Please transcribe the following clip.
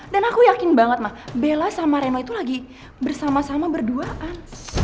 dan aku yakin banget ma bella sama reno itu lagi bersama sama berduaan